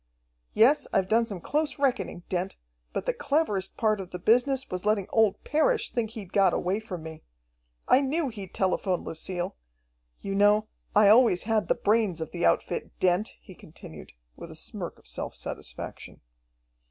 "Yes, I've done some close reckoning, Dent, but the cleverest part of the business was letting old Parrish think he'd got away from me. I knew he'd telephone Lucille. You know, I always had the brains of the outfit, Dent," he continued, with a smirk of self satisfaction.